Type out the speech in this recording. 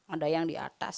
ada yang di atas